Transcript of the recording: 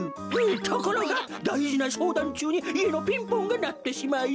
「ところがだいじなしょうだんちゅうにいえのピンポンがなってしまい」。